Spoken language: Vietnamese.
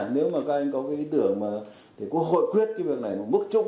nếu mà các anh có ý tưởng để hội quyết cái việc này một mức trung